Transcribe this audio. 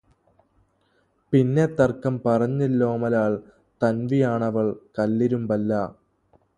പിന്നെത്തർക്കം പറഞ്ഞില്ലയോമലാൾ; തന്വിയാണവൾ കല്ലല്ലിരുമ്പല്ല!